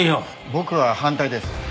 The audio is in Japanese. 僕は反対です。